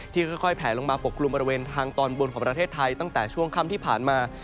ค่อยแผลลงมาปกกลุ่มบริเวณทางตอนบนของประเทศไทยตั้งแต่ช่วงค่ำที่ผ่านมา